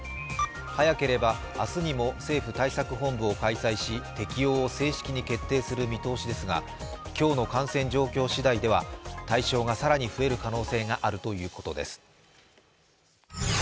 早ければ明日にも政府対策本部を開催し、適用を正式に決定する見通しですが、今日の感染状況しだいでは対象が更に増える可能性があるということです。